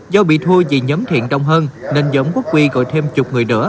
do bị thua vì nhóm thiện đông hơn nên nhóm quốc huy gọi thêm chục người đỡ